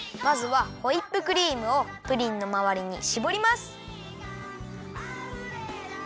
まずはホイップクリームをプリンのまわりにしぼります。